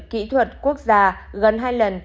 kỹ thuật quốc gia gần hai lần